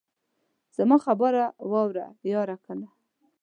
زما خبره واوره ياره کنه.